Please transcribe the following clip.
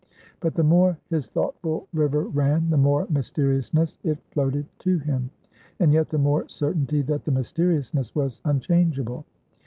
But the more his thoughtful river ran, the more mysteriousness it floated to him; and yet the more certainty that the mysteriousness was unchangeable.